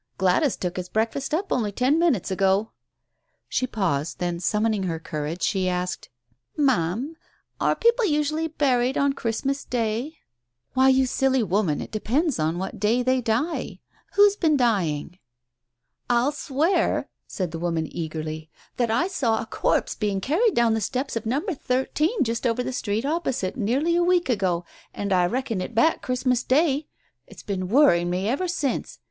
"Gladys took his breakfast up only ten minutes ago." She paused, then summoning her courage, she asked — "Ma'am, are people usually buried on Christmas Day?" 37 Digitized by Google 38 TALES OF THE UNEASY " Why, you silly woman, it depends on what day they die. Who's been dying ?" "I'll swear," said the woman eagerly, "that I saw a corpse being carried down the steps of number thirteen just over the street opposite nearly a week ago, and I reckon it back Christmas Day !... It's been worrying me ever since.